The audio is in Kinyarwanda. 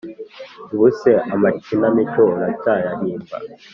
ubu se amakinamico uracyayahimba?